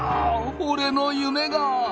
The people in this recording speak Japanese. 俺の夢が」。